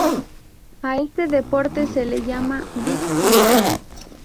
A este deporte se le llama bike trial.